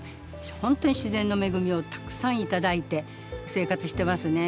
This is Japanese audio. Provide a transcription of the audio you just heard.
ほんとに自然の恵みをたくさんいただいて生活してますね。